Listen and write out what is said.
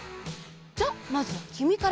じゃあまずはきみから！